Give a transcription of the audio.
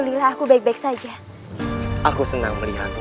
tentu saja biadab kita semua akan selamat di tanganku